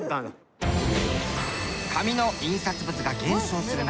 紙の印刷物が減少する中